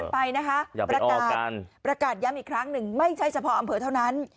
ไปนะคะประกาศย้ำอีกครั้งหนึ่งไม่ใช่เฉพาะอำเภอเท่านั้น